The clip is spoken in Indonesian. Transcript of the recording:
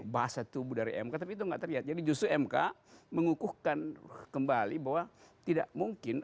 bahasa tubuh dari mk tapi itu enggak terlihat jadi justru mk mengukuhkan kembali bahwa tidak mungkin